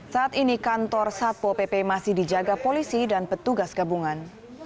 saat ini kantor satpol pp masih dijaga polisi dan petugas gabungan